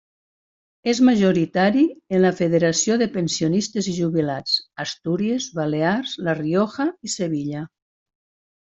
És majoritari en la Federació de Pensionistes i Jubilats, Astúries, Balears, La Rioja i Sevilla.